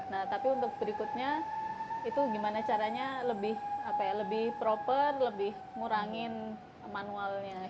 nah tapi untuk berikutnya itu gimana caranya lebih proper lebih ngurangin manualnya